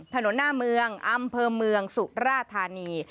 ถนนหน้าเมืองอำเภอเมืองสุราธานี